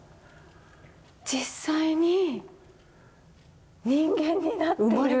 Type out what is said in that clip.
実際に人間になっている。